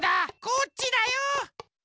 こっちだよ！